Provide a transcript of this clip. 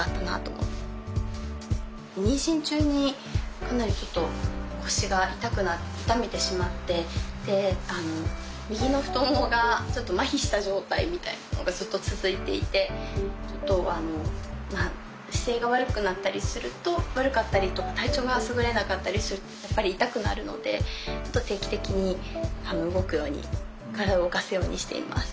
妊娠中にかなり腰を痛めてしまって右の太ももがちょっとまひした状態みたいなのがずっと続いていて姿勢が悪くなったりとか体調がすぐれなかったりするとやっぱり痛くなるので定期的に体を動かすようにしています。